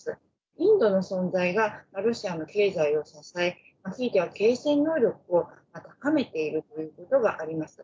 インドの存在がロシアの経済を支え、ひいては継戦能力を高めているということがあります。